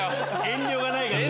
遠慮がないから。